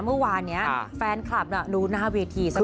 เมื่อวานี้แฟนคลับน่ะรู้หน้าเวทีสักก่อน